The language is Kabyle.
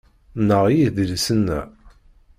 Nneɣ yedlisen-a